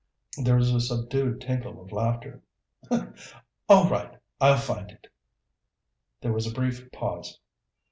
There was a subdued tinkle of laughter. "All right. I'll find it." There was a brief pause.